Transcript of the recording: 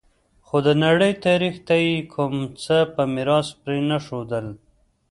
خو د نړۍ تاریخ ته یې کوم څه په میراث پرې نه ښودل